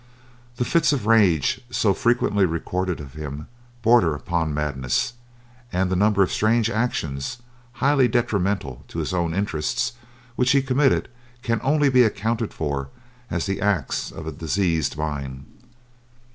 The fits of rage so frequently recorded of him border upon madness, and a number of strange actions highly detrimental to his own interests which he committed can only be accounted for as the acts of a diseased mind.